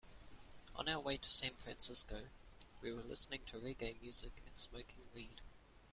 On our way to San Francisco, we were listening to reggae music and smoking weed.